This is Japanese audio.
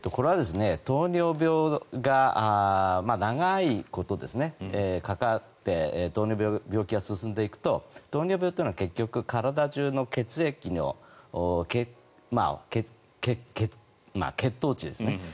糖尿病が長いことかかって糖尿病の病気が進んでいくと糖尿病というのは結局、体中の血液の血糖値ですね。